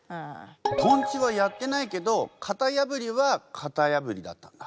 とんちはやってないけどかたやぶりはかたやぶりだったんだ。